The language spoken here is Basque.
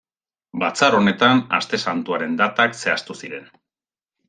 Batzar honetan Aste Santuaren datak zehaztu ziren.